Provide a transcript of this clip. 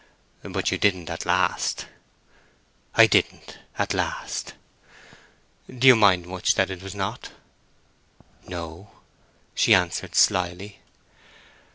"But you didn't at last?" "I didn't at last." "Do you much mind that it was not?" "No," she answered, slyly.